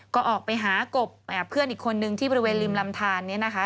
ก็ออกไปหากบเพื่อนอีกคนนึงที่บริเวณริมลำทานเนี่ยนะคะ